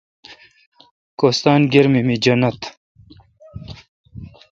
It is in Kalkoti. کوستان گرمی می جنت۔